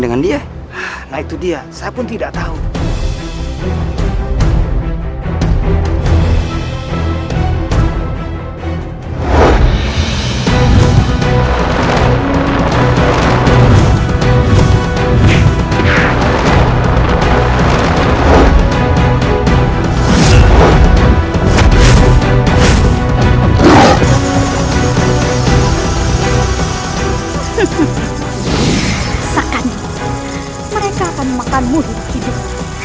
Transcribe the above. terlibat dalam jam sebelas perfection